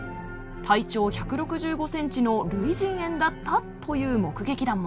体長１６５センチの類人猿だったという目撃談も。